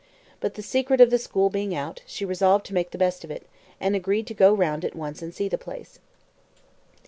But the secret of the school being out, she resolved to make the best of it, and agreed to go round at once and see the place.